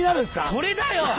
それだよ！